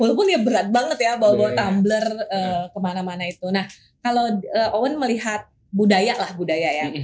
walaupun ya berat banget ya bau bau tumbler kemana mana itu nah kalau owen melihat budaya lah budaya yang